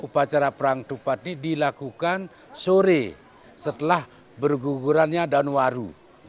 upacara perang tupat ini dilakukan sore setelah berguguran daun waru